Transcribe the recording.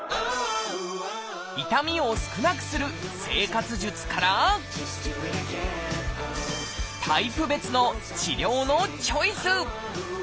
痛みを少なくする生活術からタイプ別の治療のチョイス。